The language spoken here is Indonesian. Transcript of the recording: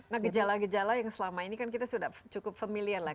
nah gejala gejala yang selama ini kan kita sudah cukup familiar lah